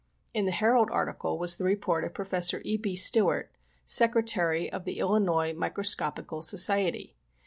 In the Herald article was the report of Prof. E. B. Stewart, Secretary of the Illinois Microscopical Society.